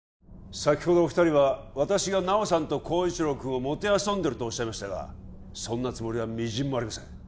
先ほどお二人は私が菜緒さんと晃一郎くんをもてあそんでるとおっしゃいましたがそんなつもりはみじんもありません